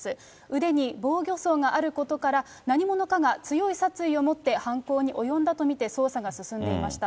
腕に防御創があることから、何者かが強い殺意を持って犯行に及んだと見て捜査が進んでいました。